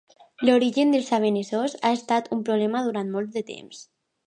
L'origen dels albanesos ha estat un problema durant molt de temps.